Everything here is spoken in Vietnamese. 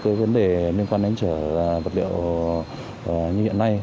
với vấn đề liên quan đến trở vật liệu như hiện nay